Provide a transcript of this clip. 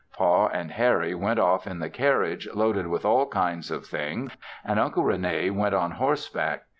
Pa and Harry went off in the carriage loaded with all kinds of things and Uncle Rene went on horse back.